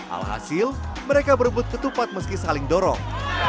alhasil mereka berebut ketupat meski saling dorong